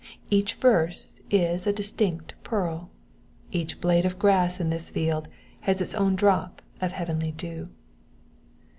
Each verse is a distinct pearl. Each blade of grass in this field has its own drop of heavenly dew.